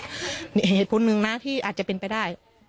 เหตุผลหนึ่งนะที่อาจจะเป็นไปได้